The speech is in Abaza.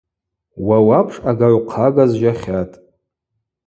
Уа уапш агагӏвхъага зжьахьатӏ.